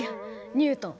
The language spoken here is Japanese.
ニュートン。